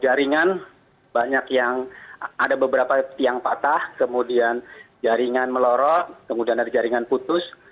jaringan banyak yang ada beberapa yang patah kemudian jaringan melorok kemudian ada jaringan putus